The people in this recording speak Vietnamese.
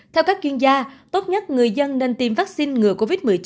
theo các chuyên gia tốt nhất người dân nên tiêm vaccine ngừa covid một mươi chín